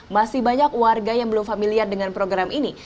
masih banyak warga yang belum familiar dengan program ini